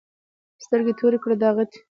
سترګې تورې کړه دا غټې.